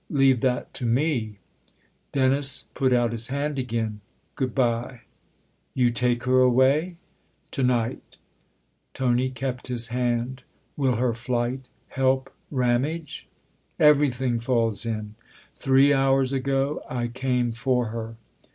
Leave that to me!" Dennis put out his hand again. " Good bye." " You take her away ?"" To night." Tony kept his hand. "Will her flight help Ram age ?"" Everything falls in. Three hours ago I came for her."